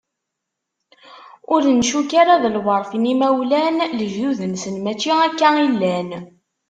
Ur ncuk ara d lwert n yimawlan, lejdud-nsen mačči akka i llan.